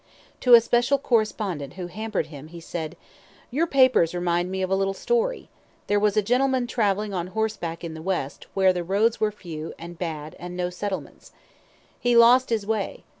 To a special correspondent who hampered him, he said: "Your papers remind me of a little story. There was a gentleman traveling on horseback in the West where the roads were few and bad and no settlements. He lost his way.